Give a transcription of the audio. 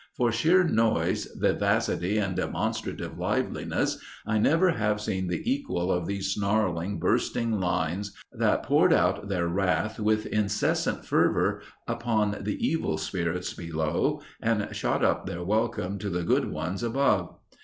For sheer noise, vivacity, and demonstrative liveliness I never have seen the equal of those snarling, bursting lines that poured out their wrath with incessant fervor upon the evil spirits below and shot up their welcome to the good ones above.